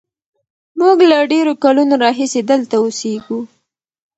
موږ له ډېرو کلونو راهیسې دلته اوسېږو.